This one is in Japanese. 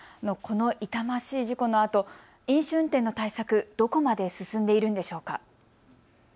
この痛ましい事故のあと飲酒運転の対策、どこまで進んでいるんでしょうか。